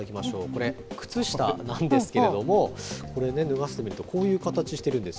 これ、靴下なんですけれども、これ、こういう形してるんです。